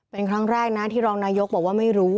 เป็นครั้งแรกนะที่รองนายกบอกว่าไม่รู้